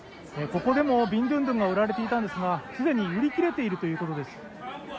ここでもビンドゥンドゥンが売られていたんですが既に売り切れているということです。